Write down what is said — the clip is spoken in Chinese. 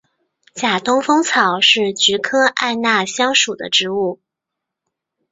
假东风草是菊科艾纳香属的植物。